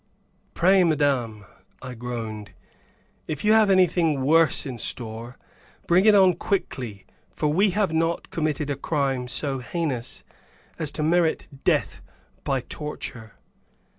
"Pray; madame," I groaned, "if you have anything worse in store, bring it on quickly for we have not committed a crime so heinous as to merit death by torture."